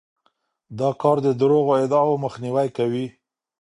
دا کار د دروغو ادعاوو مخنیوی کوي.